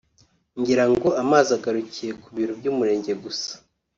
ngira ngo amazi agarukira ku biro by’umurenge gusa